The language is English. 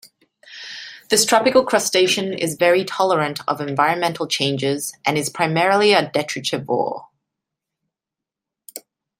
This tropical crustacean is very tolerant of environmental changes, and is primarily a detritivore.